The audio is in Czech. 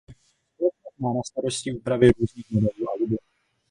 Společnost má na starosti úpravy různých modelů Audi.